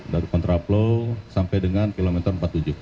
dari kontraplow sampai dengan kilometer empat puluh tujuh